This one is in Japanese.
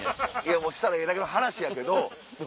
したらええだけの話やけど。